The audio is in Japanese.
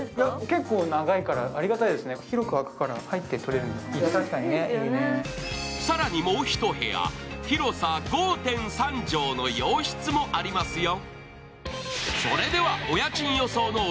結構長いからありがたいですね、結構開くから入ってとれる更に、もうひと部屋、広さ５．３畳の洋室もありますよ。